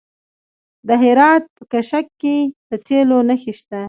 د هرات په کشک کې د تیلو نښې شته.